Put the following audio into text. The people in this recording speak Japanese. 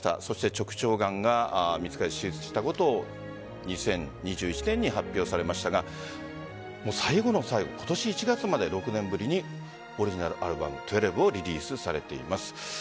直腸がんが見つかり手術したことを２０２１年に発表されましたが最後の最後今年１月まで、６年ぶりにオリジナルアルバム「１２」をリリースされています。